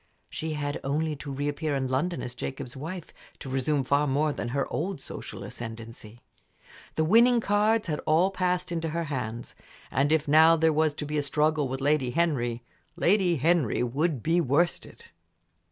She had only to reappear in London as Jacob's wife to resume far more than her old social ascendency. The winning cards had all passed into her hands, and if now there was to be a struggle with Lady Henry, Lady Henry would be worsted.